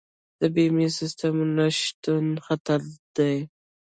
د بیمې سیستم نشتون خطر دی.